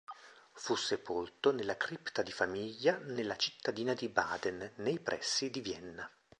Fu sepolto nella cripta di famiglia nella cittadina di Baden, nei pressi di Vienna.